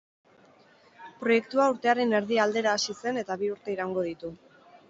Proiektua urtearen erdi aldera hasi zen eta bi urte iraungo ditu.